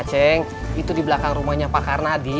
j salon ya